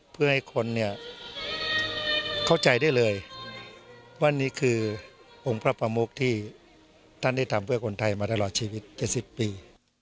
เพื่อให้คนเนี่ยเข้าใจได้เลยว่านี่คือองค์พระประมุกที่ท่านได้ทำเพื่อคนไทยมาตลอดชีวิต๗๐ปี